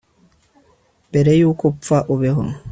mbere yuko upfa, ubeho